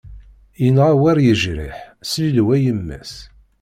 Yenɣa wer yejriḥ, slilew a yemma-s.